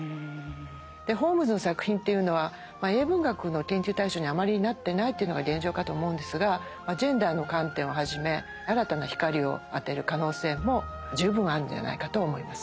ホームズの作品というのは英文学の研究対象にはあまりなってないというのが現状かと思うんですがジェンダーの観点をはじめ新たな光を当てる可能性も十分あるんじゃないかと思います。